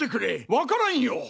わからんよ！